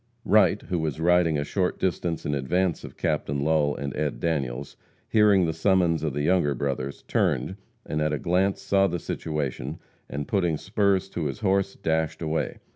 Wright, who was riding a short distance in advance of Captain Lull and Ed. Daniels, hearing the summons of the Younger Brothers, turned, and at a glance saw the situation, and, putting spurs to his horse, dashed away.